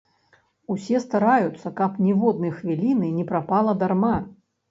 Усе стараюцца, каб ніводнай хвіліны не прапала дарма.